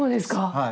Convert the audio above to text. はい。